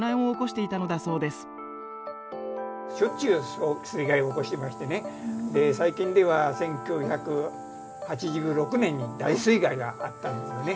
しょっちゅう水害を起こしましてね最近では１９８６年に大水害があったんですよね。